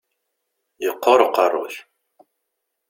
Yeqqur uqerru-k.